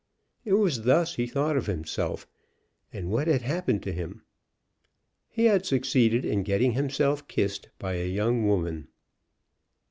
It was thus he thought of himself and what had happened to him. He had succeeded in getting himself kissed by a young woman.